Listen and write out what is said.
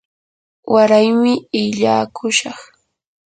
waraymi illaakushaq.